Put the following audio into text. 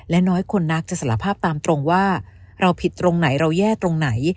และน้อยคนนักจะสารภาพตามตรงว่าเราผิดตรงไหนเราแย่ตรงไหน